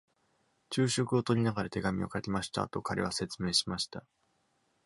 「昼食をとりながら手紙を書きました。」と彼は説明しました。